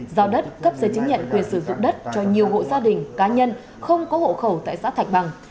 giao đất cấp giấy chứng nhận quyền sử dụng đất cho nhiều hộ gia đình cá nhân không có hộ khẩu tại xã thạch bằng